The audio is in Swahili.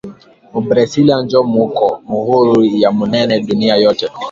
Mu bresila njo muko muhuru ya munene dunia yote